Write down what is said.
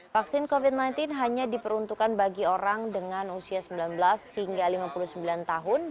vaksin covid sembilan belas hanya diperuntukkan bagi orang dengan usia sembilan belas hingga lima puluh sembilan tahun